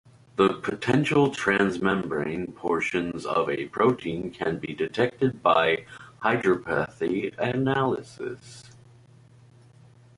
The potential transmembrane portions of a protein can be detected by hydropathy analysis.